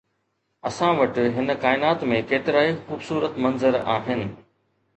اسان وٽ هن ڪائنات ۾ ڪيترائي خوبصورت منظر آهن